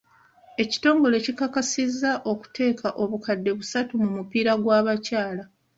Ekitongole kikakasizza okuteeka obukadde busatu mu mupiira gw'abakyala.